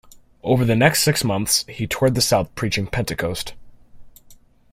Over the next six months, he toured the south preaching "Pentecost".